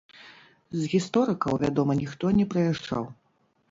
З гісторыкаў, вядома, ніхто не прыязджаў.